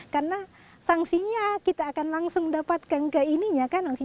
karena sanksinya kita akan langsung dapatkan ke ininya kan